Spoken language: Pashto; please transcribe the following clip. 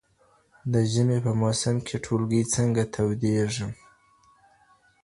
د ژمي په موسم کي ټولګي څنګه توديږي؟